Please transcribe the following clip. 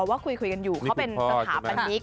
ว่าคุยกันอยู่เขาเป็นสถาปนิก